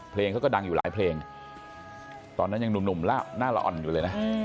เพลงเขาก็ดังอยู่หลายเพลงตอนนั้นยังหนุ่มหน้าละอ่อนอยู่เลยนะ